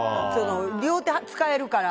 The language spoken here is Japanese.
両手使えるから。